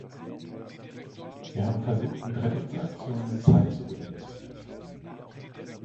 Wir haben versucht, mit Rettungsaktionen Zeit zu gewinnen.